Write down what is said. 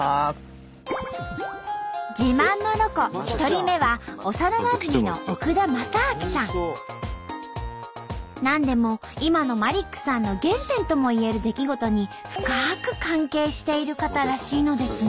自慢のロコ１人目は幼なじみのなんでも今のマリックさんの原点ともいえる出来事に深く関係している方らしいのですが。